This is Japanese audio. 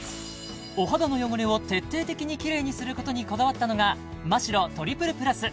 お肌の汚れを徹底的にキレイにすることにこだわったのがマ・シロトリプルプラス